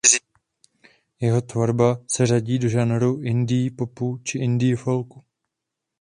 Jeho tvorba se řadí do žánru indie popu či indie folku.